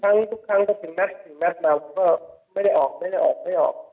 แต่ทุกครั้งถึงงักมากก็ไม่ได้ออกไม่ได้ออกไม่ได้ออก